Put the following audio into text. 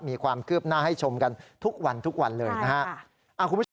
มีความคืบหน้าให้ชมกันทุกวันเลยนะครับ